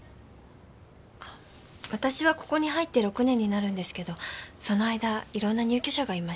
あ私はここに入って６年になるんですけどその間いろんな入居者がいました。